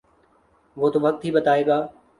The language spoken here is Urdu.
وہ تو وقت ہی بتائے گا۔